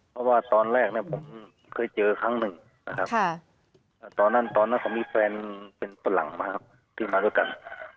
เพราะว่าตอนแรกเนี่ยผมเคยเจอครั้งหนึ่งนะครับตอนนั้นตอนนั้นเขามีแฟนเป็นฝรั่งนะครับที่มาด้วยกัน